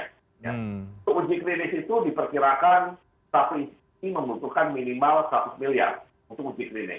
untuk uji klinis itu diperkirakan satu istri membutuhkan minimal seratus miliar untuk uji klinis